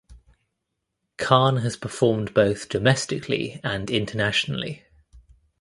Khan has performed both domestically and internationally.